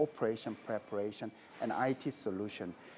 peralatan operasi dan solusi it